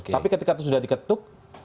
tapi ketika itu sudah diketuk